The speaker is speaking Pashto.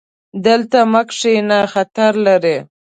دلته مه کښېنه، خطر لري